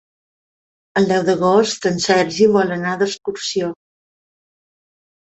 El deu d'agost en Sergi vol anar d'excursió.